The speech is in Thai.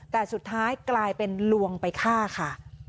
แต่สุดท้ายกลายเป็นลวงไปฆ่าค่ะ